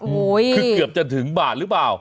คือเกือบจะถึงบาทหรือเปล่า